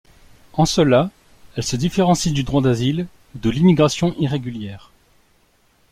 En cela, elle se différencie du droit d'asile ou de l'immigration irrégulière.